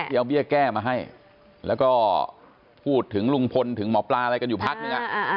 เอาเบี้ยแก้มาให้แล้วก็พูดถึงลุงพลถึงหมอปลาอะไรกันอยู่พักนึง